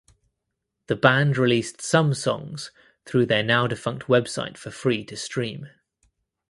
The band released some songs through their now defunct website for free to stream.